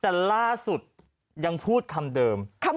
แต่ล่าสุดยังพูดคำเดิม